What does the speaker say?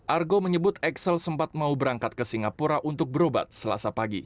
argo menyebut excel sempat mau berangkat ke singapura untuk berobat selasa pagi